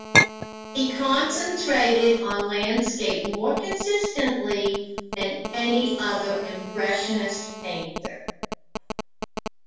He concentrated on landscape more consistently than any other Impressionist painter.